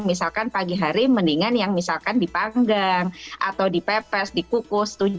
misalkan pagi hari mendingan yang misalkan dipanggang atau dipepes dikukus